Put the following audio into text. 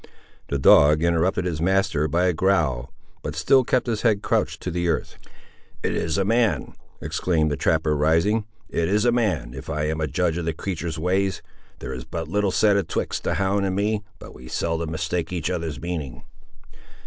The dog interrupted his master by a growl, but still kept his head crouched to the earth. "It is a man!" exclaimed the trapper, rising. "It is a man, if I am a judge of the creatur's ways. There is but little said atwixt the hound and me, but we seldom mistake each other's meaning!"